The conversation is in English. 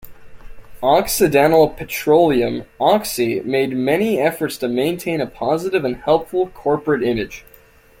Occidental Petroleum, Oxy, made many efforts to maintain a positive and helpful corporate image.